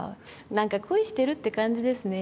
何か恋してるって感じですね。